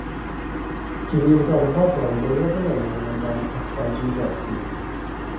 Dwi'n gorfod rhoi mwy o fanylion amdan y pethau dwi'n gwerthu